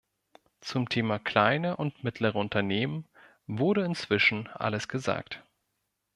Zum Thema kleine und mittlere Unternehmen wurde inzwischen alles gesagt.